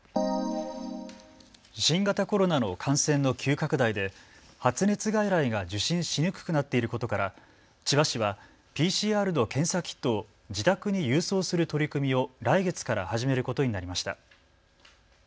新型コロナの感染の急拡大で発熱外来が受診しにくくなっていることから千葉市はＰＣＲの検査キットを自宅に郵送する取り組みを来月から始めることになりました。